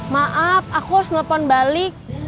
maaf aku harus nelfon balik